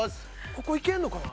ここいけるのかな？